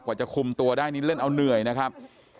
จะคุมตัวได้นี่เล่นเอาเหนื่อยนะครับ